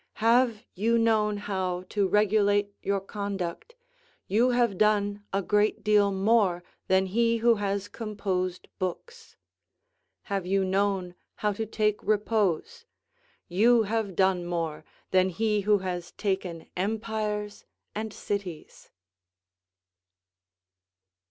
Have you known how to regulate your conduct, you have done a great deal more than he who has composed books. Have you known how to take repose, you have done more than he who has taken empires and cities.